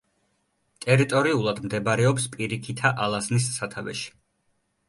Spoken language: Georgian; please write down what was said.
ტერიტორიულად მდებარეობს პირიქითა ალაზნის სათავეში.